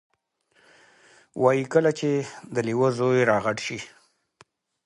وایي کله چې د لیوه زوی را غټ شي،